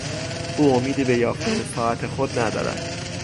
او امیدی به یافتن ساعت خود ندارد.